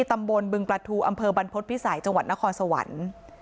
ตำบลบึงประทูอำเภอบรรพฤษภิษัยจังหวัดนครสวรรค์